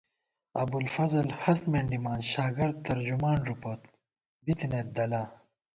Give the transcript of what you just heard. ابُوالفضل ہست مېنڈِمان شاگرد ترجمان ݫُپوت بِتَنَئیت دَلا